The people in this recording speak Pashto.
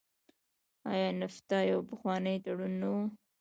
آیا نفټا یو پخوانی تړون نه و؟